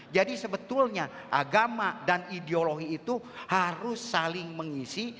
jadi sebetulnya agama dan ideologi itu harus saling mengisi